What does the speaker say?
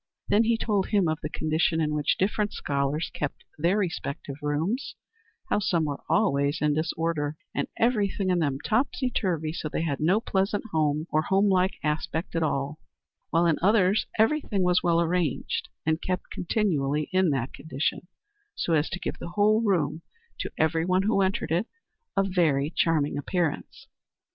Then he told him of the condition in which different scholars kept their respective rooms how some were always in disorder, and every thing in them topsy turvy, so that they had no pleasant or home like aspect at all; while in others every thing was well arranged, and kept continually in that condition, so as to give the whole room, to every one who entered it, a very charming appearance.